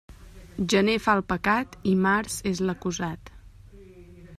Gener fa el pecat i març és l'acusat.